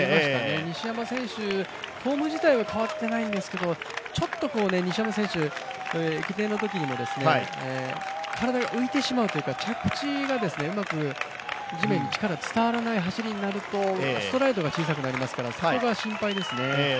西山選手、フォーム自体は変わってないんですけども西山選手、駅伝のときにも体が浮いてしまうというか、着地がうまく地面に力が伝わらない走りになると、ストライドが小さくなりますからそこが心配ですね。